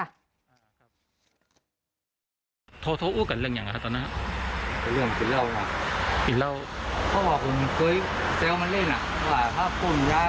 วันตอน๓ทุ่มเดี๋ยวโทรไปเป็นไง